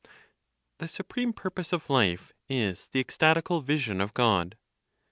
THE SUPREME PURPOSE OF LIFE IS THE ECSTATICAL VISION OF GOD. 7.